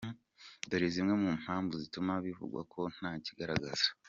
Dore zimwe mu mpamvu zituma bivugwa ko ntakigaragaza:.